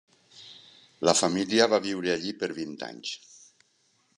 La família va viure allí per vint anys.